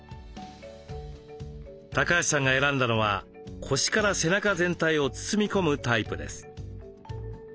高橋さんが選んだのは腰から背中全体を包み込むタイプです。